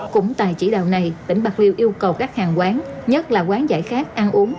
cũng tại chỉ đạo này tỉnh bạc liêu yêu cầu các hàng quán nhất là quán giải khác ăn uống